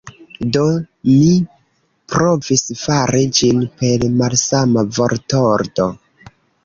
Do, mi provis fari ĝin per malsama vortordo.